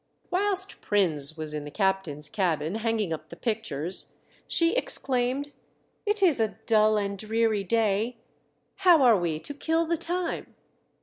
Whilst Prins was in the captain's cabin hanging up the pictures, she exclaimed, "It is a dull and dreary day. How are we to kill the time